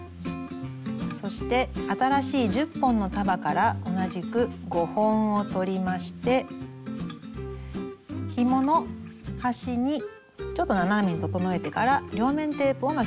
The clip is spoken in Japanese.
そして新しい１０本の束から同じく５本を取りましてひもの端にちょっと斜めに整えてから両面テープを巻きます。